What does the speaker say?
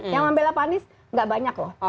yang membela pak anies gak banyak loh